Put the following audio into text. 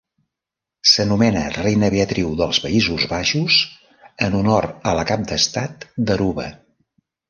S'anomena Reina Beatriu dels Països Baixos, en honor a la cap d'Estat d'Aruba.